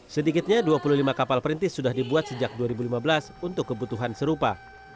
sedikitnya dua puluh lima kapal perintis sudah dibuat sejak dua ribu lima belas untuk kebutuhan serupa